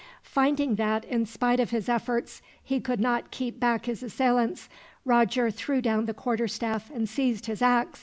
Finding that, in spite of his efforts, he could not keep back his assailants, Roger threw down the quarterstaff and seized his ax.